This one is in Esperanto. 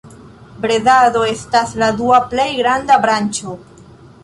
Bredado estas la dua plej granda branĉo.